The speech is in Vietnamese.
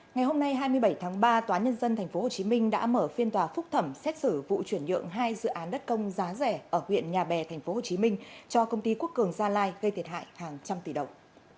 ngày hôm nay hai mươi bảy tháng ba tòa nhân dân tp hcm đã mở phiên tòa phúc thẩm xét xử vụ chuyển nhượng hai dự án đất công giá rẻ ở huyện nhà bè tp hcm cho công ty quốc cường gia lai gây thiệt hại hàng trăm tỷ đồng